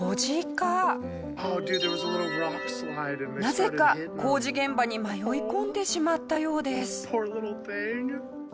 なぜか工事現場に迷い込んでしまったようです。